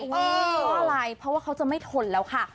เพราะว่าเขาจะไม่ทนแล้วค่ะ